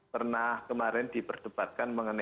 pernah kemarin diperdebatkan mengenai